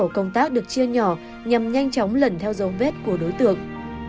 sau đó các tổ công tác được chia nhỏ nhằm nhanh chóng lẩn theo dấu vết của đối tượng